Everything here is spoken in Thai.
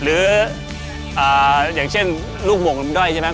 หรืออ่าอย่างเช่นลูกบ่งมันด้อยใช่ไหม